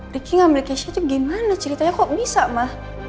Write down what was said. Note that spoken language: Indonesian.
ricky ngambil keisah itu gimana ceritanya kok bisa ma